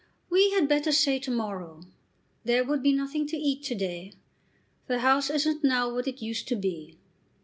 "We had better say to morrow. There would be nothing to eat to day. The house isn't now what it used to be."